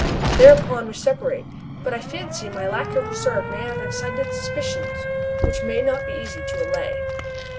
Thereupon we separate. But I fancy my lack of reserve may have excited suspicions which may not be easy to allay.